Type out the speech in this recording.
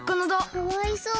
かわいそう。